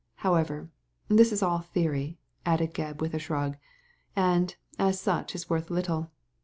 How ever, this is all theory," added Gebb, with a shrug, " and, as such, is worth little.